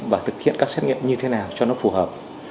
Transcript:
và thực hiện các xét nghiệm như thế nào cho nó phù hợp